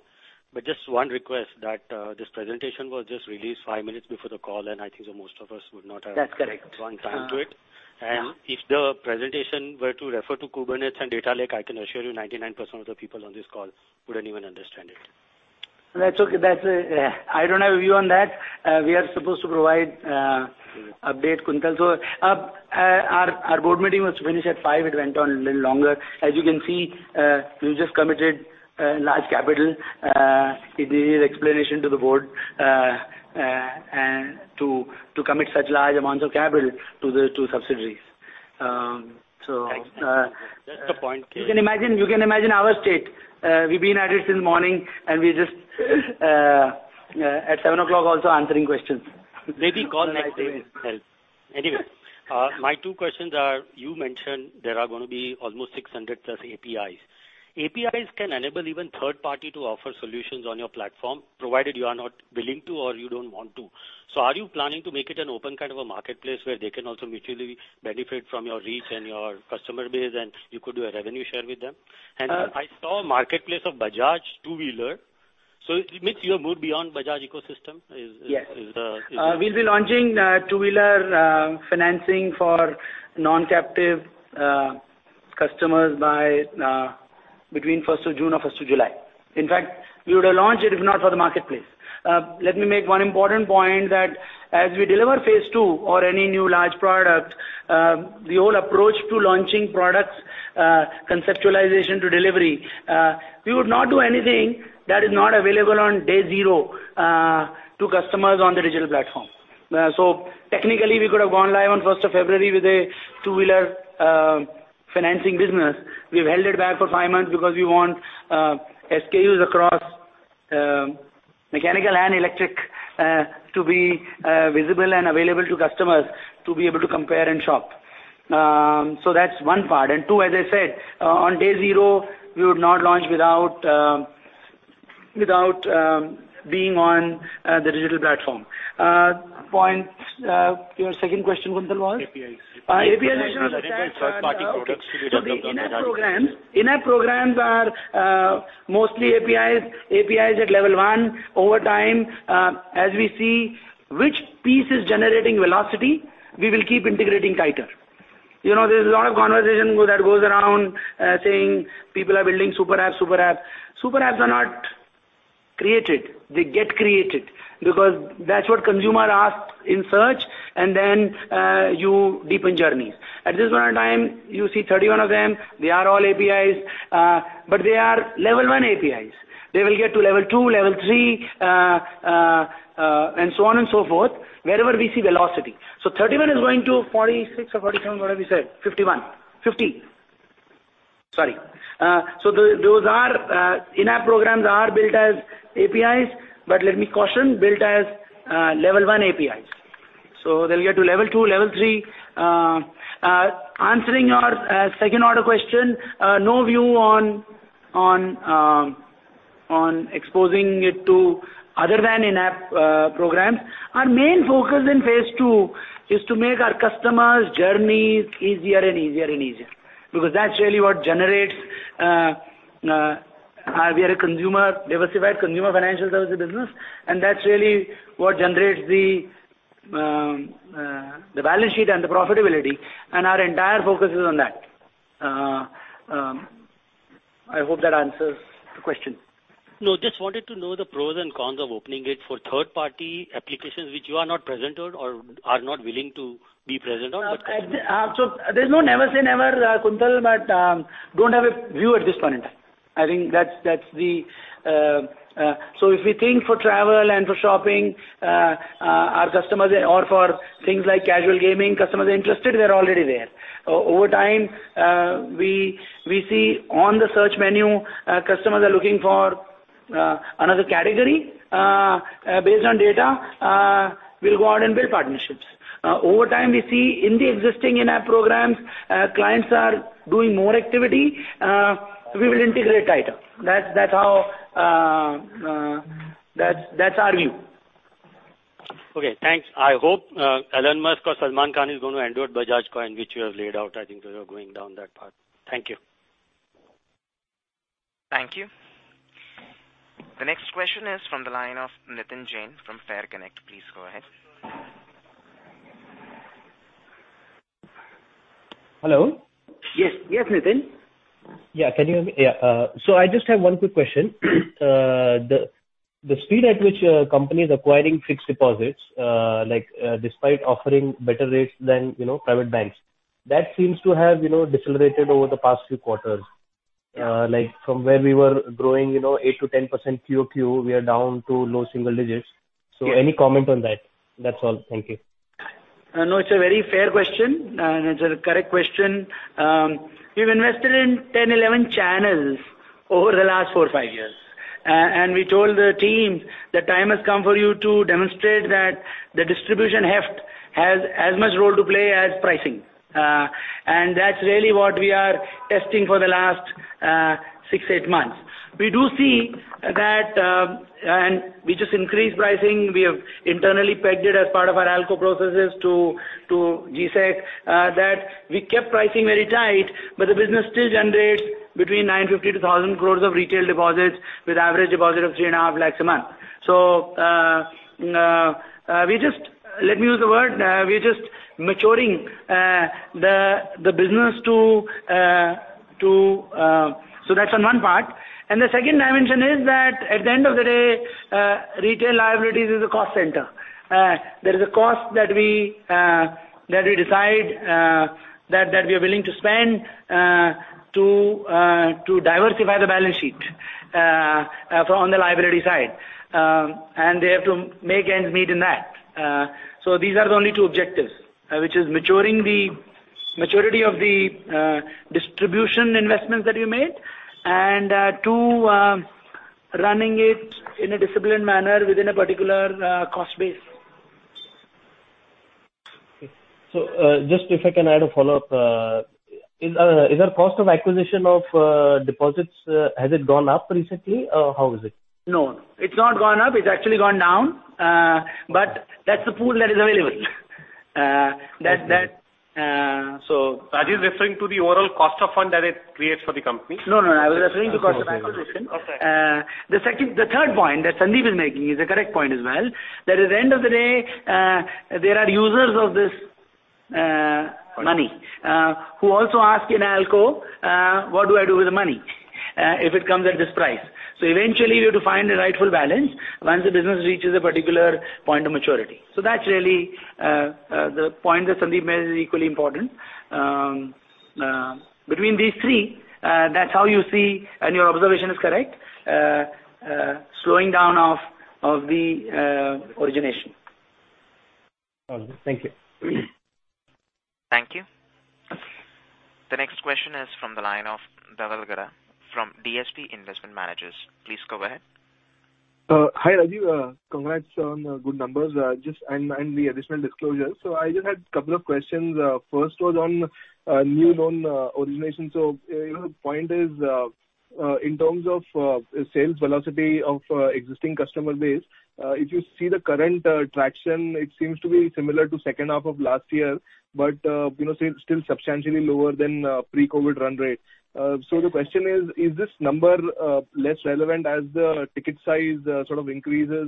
Just one request that this presentation was just released five minutes before the call, and I think that most of us would not have- That's correct. Connect one time to it. Yeah. If the presentation were to refer to Kubernetes and Data Lake, I can assure you 99% of the people on this call wouldn't even understand it. That's okay. I don't have a view on that. We are supposed to provide update, Kuntal. Our board meeting was to finish at five. It went on a little longer. As you can see, we've just committed large capital. It needed explanation to the board, and to commit such large amounts of capital to the two subsidiaries. Thanks. That's the point. You can imagine our state. We've been at it since morning, and we're just at 7:00 o'clock also answering questions. Maybe call next time will help. Anyway, my two questions are: You mentioned there are gonna be almost 600+ APIs. APIs can enable even third party to offer solutions on your platform, provided you are not willing to or you don't want to. Are you planning to make it an open kind of a marketplace where they can also mutually benefit from your reach and your customer base, and you could do a revenue share with them? Uh- I saw marketplace of Bajaj two-wheeler. It means you have moved beyond Bajaj ecosystem. Is the- Yes. We'll be launching two-wheeler financing for non-captive customers by between June 1st or July 1st. In fact, we would have launched it if not for the marketplace. Let me make one important point that as we deliver phase two or any new large product, the whole approach to launching products, conceptualization to delivery, we would not do anything that is not available on day zero to customers on the digital platform. Technically, we could have gone live on February 1st with a two-wheeler financing business. We've held it back for five months because we want SKUs across mechanical and electric to be visible and available to customers to be able to compare and shop. That's one part. Two, as I said, on day zero, we would not launch without being on the digital platform. Your second question, Kuntal, was? APIs. APIs, as I said. Can these be delivered by third-party products to be done on the Bajaj platform? The in-app programs are mostly APIs at level one. Over time, as we see which piece is generating velocity, we will keep integrating tighter. You know, there's a lot of conversation that goes around saying people are building super app. Super apps are not created. They get created because that's what consumer asks in search and then you deepen journeys. At this point in time, you see 31 of them. They are all APIs, but they are level one APIs. They will get to level two, level three, and so on and so forth, wherever we see velocity. 31 APIs is going to 46 APIs or 47 APIs, whatever you said. 51 APIs. 50 APIs. Sorry. Those in-app programs are built as APIs, but let me caution, built as level one APIs. They'll get to level 2, level 3. Answering your second order question, no view on exposing it to other than in-app programs. Our main focus in phase two is to make our customers' journeys easier and easier and easier, because that's really what generates. We are a consumer diversified consumer financial services business, and that's really what generates the balance sheet and the profitability, and our entire focus is on that. I hope that answers the question. No, just wanted to know the pros and cons of opening it for third-party applications which you are not present on or are not willing to be present on, but customers. Never say never, Kuntal, but don't have a view at this point in time. I think that's the. If we think for travel and for shopping, our customers or for things like casual gaming, customers are interested, they're already there. Over time, we see on the search menu, customers are looking for another category. Based on data, we'll go out and build partnerships. Over time, we see in the existing in-app programs, clients are doing more activity, we will integrate tighter. That's how. That's our view. Okay, thanks. I hope Elon Musk or Salman Khan is gonna endorse Bajaj Coin, which you have laid out. I think those are going down that path. Thank you. Thank you. The next question is from the line of Nitin Jain from FairConnect. Please go ahead. Hello. Yes. Yes, Nitin. Yeah. Can you hear me? Yeah. So I just have one quick question. The speed at which the company is acquiring fixed deposits, like, despite offering better rates than, you know, private banks, that seems to have, you know, decelerated over the past few quarters. Like from where we were growing, you know, 8%-10% QOQ, we are down to low single digits. Yes. Any comment on that? That's all. Thank you. No, it's a very fair question, and it's a correct question. We've invested in 10 channels, 11 channels over the last four years, five years. We told the team the time has come for you to demonstrate that the distribution heft has as much role to play as pricing. That's really what we are testing for the last six months, eight months. We do see that, and we just increased pricing. We have internally pegged it as part of our ALCO processes to GSEC that we kept pricing very tight, but the business still generates between 950 crore-1,000 crore of retail deposits with average deposit of 3.5 lakh a month. Let me use the word, we're just maturing the business to. That's on one part. The second dimension is that at the end of the day, retail liabilities is a cost center. There is a cost that we decide that we are willing to spend to diversify the balance sheet from the liability side. They have to make ends meet in that. These are the only two objectives, which is maturing the maturity of the distribution investments that we made and two, running it in a disciplined manner within a particular cost base. Okay. Just if I can add a follow-up. Is our cost of acquisition of deposits has it gone up recently, or how is it? No. It's not gone up. It's actually gone down. That's the pool that is available. Rajiv is referring to the overall cost of funds that it creates for the company. No, no. I was referring to cost of acquisition. Okay. The third point that Sandeep is making is a correct point as well. That at the end of the day, there are users of this money who also ask in ALCO, "What do I do with the money if it comes at this price?" Eventually, we have to find a rightful balance once the business reaches a particular point of maturity. That's really the point that Sandeep made is equally important. Between these three, that's how you see, and your observation is correct. Slowing down of the origination. Okay. Thank you. Thank you. The next question is from the line of Dhaval Gada from DSP Investment Managers. Please go ahead. Hi, Rajeev. Congrats on good numbers and the additional disclosures. I just had couple of questions. First was on new loan origination. The point is, in terms of sales velocity of existing customer base, if you see the current traction, it seems to be similar to second half of last year, but still substantially lower than pre-COVID run rate. The question is this number less relevant as the ticket size sort of increases,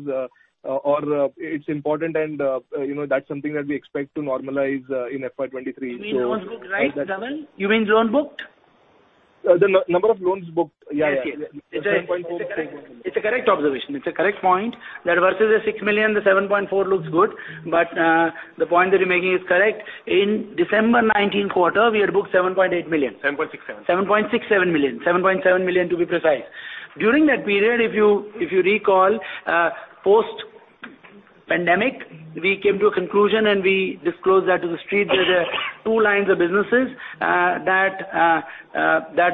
or it's important and that's something that we expect to normalize in FY 2023? You mean the one booked, right, Dhaval? You mean loan booked? The number of loans booked. Yeah, yeah. Yes, yes. The 7.4 million It's a correct observation. It's a correct point. That versus the 6 million, the 7.4 million looks good. But the point that you're making is correct. In December 2019 quarter, we had booked 7.8 million. 7.67 million. 7.67 million. 7.7 million to be precise. During that period, if you recall, post-pandemic, we came to a conclusion and we disclosed that to the street. There are two lines of businesses that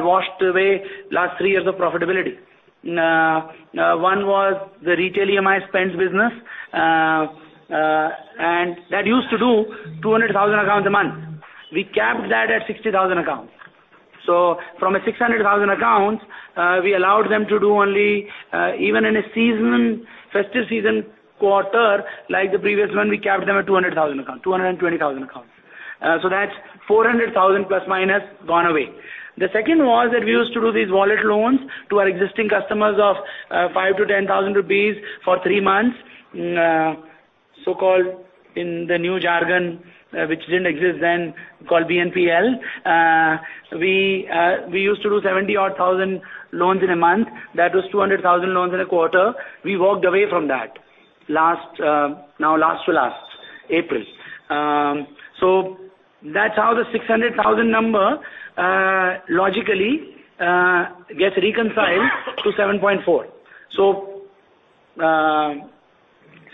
washed away last three years of profitability. One was the retail EMI spends business, and that used to do 200,000 accounts a month. We capped that at 60,000 accounts. From a 600,000 accounts, we allowed them to do only, even in a seasonal, festive season quarter, like the previous one, we capped them at 200,000 accounts, 220,000 accounts. That's 400,000± accounts gone away. The second was that we used to do these wallet loans to our existing customers of 5,000-10,000 rupees for three months. So-called in the new jargon, which didn't exist then called BNPL. We used to do 70-odd thousand loans in a month. That was 200,000 loans in a quarter. We walked away from that last, now last to last April. That's how the 600,000 number logically gets reconciled to 7.4 million.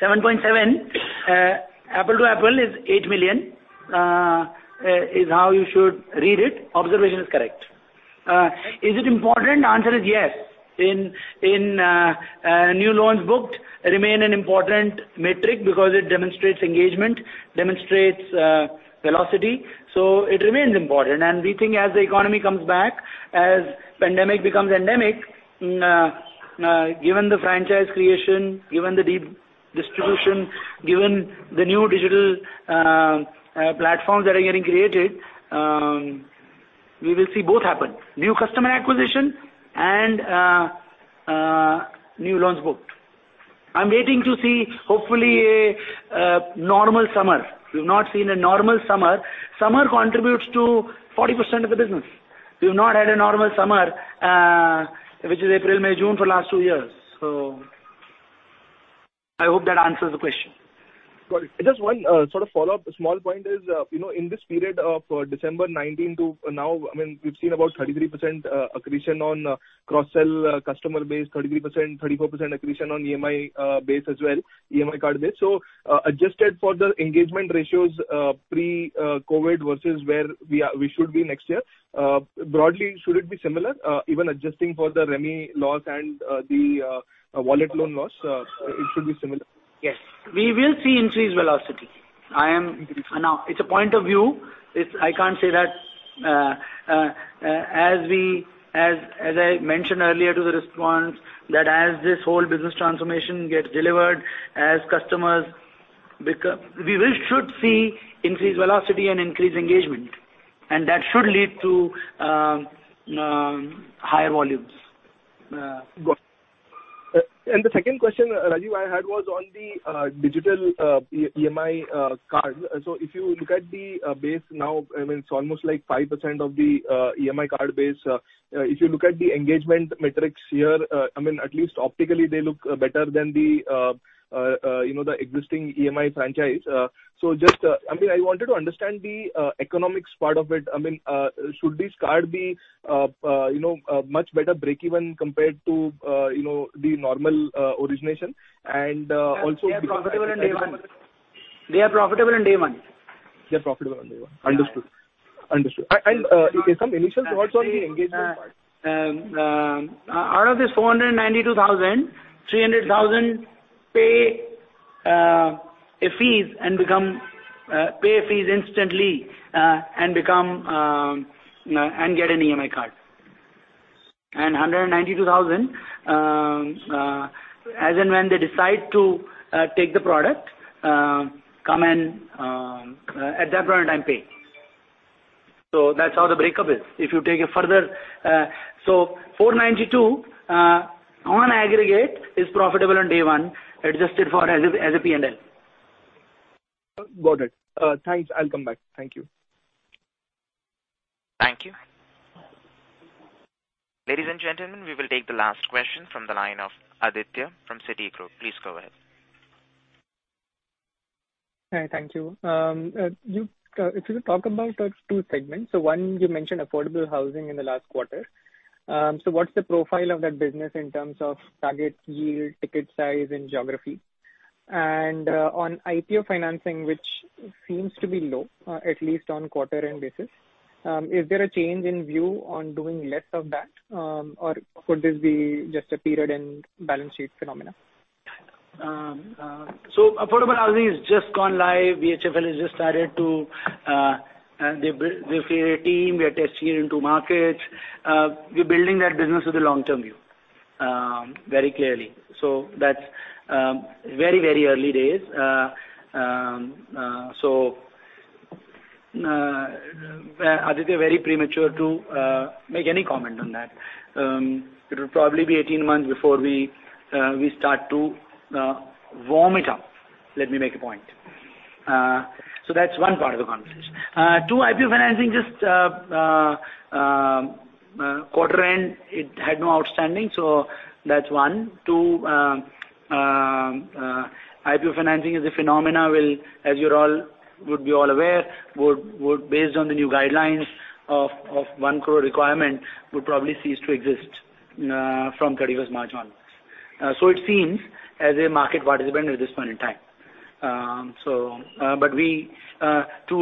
7.7 million, apple-to-apple is 8 million, is how you should read it. Observation is correct. Is it important? Answer is yes. In new loans booked remain an important metric because it demonstrates engagement, demonstrates velocity, so it remains important. We think as the economy comes back, as pandemic becomes endemic, given the franchise creation, given the de-distribution, given the new digital platforms that are getting created, we will see both happen. New customer acquisition and new loans booked. I'm waiting to see hopefully a normal summer. We've not seen a normal summer. Summer contributes to 40% of the business. We've not had a normal summer, which is April, May, June for last two years. I hope that answers the question. Got it. Just one sort of follow-up. Small point is, you know, in this period of December 2019 to now, I mean, we've seen about 33% accretion on cross-sell customer base, 33%, 34% accretion on EMI base as well, EMI card base. So, adjusted for the engagement ratios pre-COVID versus where we are, we should be next year, broadly, should it be similar even adjusting for the REMI loss and the wallet loan loss, it should be similar? Yes. We will see increased velocity. Now, it's a point of view. I can't say that, as I mentioned earlier to the response, that as this whole business transformation gets delivered, as customers become, we will should see increased velocity and increased engagement, and that should lead to higher volumes. Got it. The second question, Rajeev, I had was on the digital EMI card. If you look at the base now, I mean, it's almost like 5% of the EMI card base. If you look at the engagement metrics here, I mean, at least optically, they look better than you know, the existing EMI franchise. Just, I mean, I wanted to understand the economics part of it. I mean, should this card be you know, much better breakeven compared to you know, the normal origination? And also- They are profitable on day one. They're profitable on day one. Understood. Some initial thoughts on the engagement part. Out of this 492,000 customers, 300,000 customers pay a fee instantly and become and get an EMI card. 192,000 customers as and when they decide to take the product, come and at that point in time pay. That's how the breakup is. If you take it further, 492,000 customerson aggregate is profitable on day one, adjusted for as a P&L. Got it. Thanks. I'll come back. Thank you. Thank you. Ladies and gentlemen, we will take the last question from the line of Aditya from Citigroup. Please go ahead. Hi. Thank you. If you talk about two segments. One, you mentioned affordable housing in the last quarter. What's the profile of that business in terms of target yield, ticket size and geography? On IPO financing, which seems to be low, at least on quarter-end basis, is there a change in view on doing less of that? Or could this be just a period-end balance sheet phenomenon? Affordable housing has just gone live. BHFL has just started to, they created a team. We are testing it in two markets. We're building that business with a long-term view, very clearly. That's very early days. Aditya, very premature to make any comment on that. It'll probably be 18 months before we start to warm it up. Let me make a point. That's one part of the conversation. Two, IPO financing at quarter end, it had no outstanding, so that's one. Two, IPO financing is a phenomenon. As you all would be aware, would, based on the new guidelines of 1 crore requirement, would probably cease to exist from March 1st onwards. It seems as a market participant at this point in time. To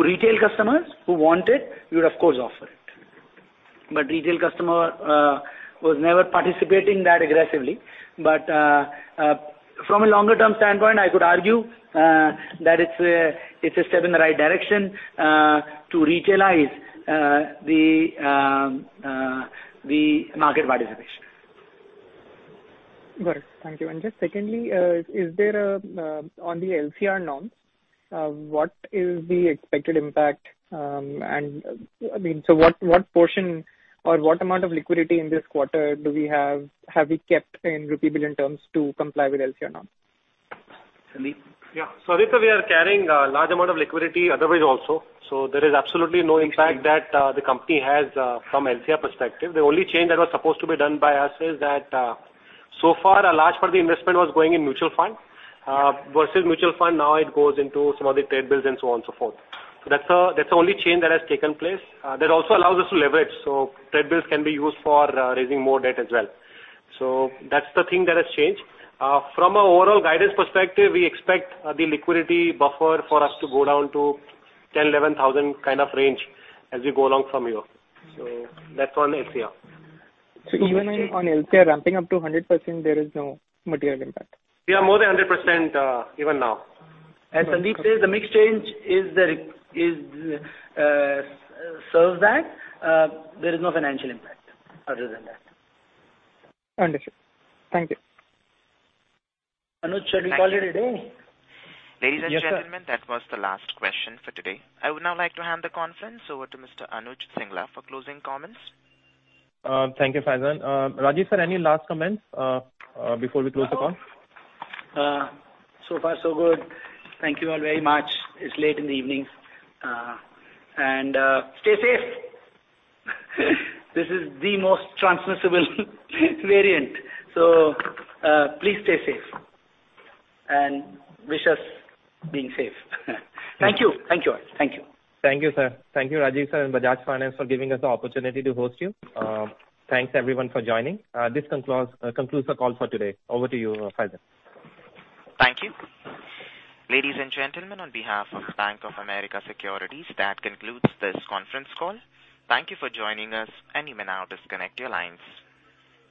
retail customers who want it, we would of course offer it. Retail customer was never participating that aggressively. From a longer term standpoint, I could argue that it's a step in the right direction to retailize the market participation. Got it. Thank you. Just secondly, on the LCR norms, what is the expected impact? I mean, what portion or what amount of liquidity in this quarter have we kept in rupee billion terms to comply with LCR norms? Sandeep. Yeah. Aditya, we are carrying a large amount of liquidity otherwise also. There is absolutely no impact that the company has from LCR perspective. The only change that was supposed to be done by us is that so far a large part of the investment was going in mutual funds. Versus mutual fund, now it goes into some of the trade bills and so on and so forth. That's the only change that has taken place. That also allows us to leverage, trade bills can be used for raising more debt as well. That's the thing that has changed. From an overall guidance perspective, we expect the liquidity buffer for us to go down to 10,000-11,000 kind of range as we go along from here. That's on LCR. Even on LCR ramping up to 100%, there is no material impact. We are more than 100%, even now. As Sandeep says, the mix change is the reserves that. There is no financial impact other than that. Understood. Thank you. Anuj, shall we call it a day? Ladies and gentlemen, that was the last question for today. I would now like to hand the conference over to Mr. Anuj Singla for closing comments. Thank you, Faizan. Rajeev sir, any last comments before we close the call? So far so good. Thank you all very much. It's late in the evening. Stay safe. This is the most transmissible variant. Please stay safe and wish us being safe. Thank you. Thank you all. Thank you. Thank you, sir. Thank you, Rajiv sir and Bajaj Finance for giving us the opportunity to host you. Thanks everyone for joining. This concludes the call for today. Over to you, Faizan. Thank you. Ladies and gentlemen, on behalf of Bank of America Securities, that concludes this conference call. Thank you for joining us, and you may now disconnect your lines.